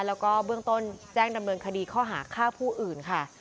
แล้วก็เบื้องต้นแจ้งดำเนินคดีข้อหาฆ่าผู้อื่นค่ะ